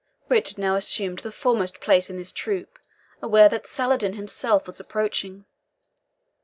Richard now assumed the foremost place in his troop, aware that Saladin himself was approaching.